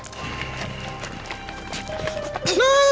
sekarang kamu berani ninggin suara sama emak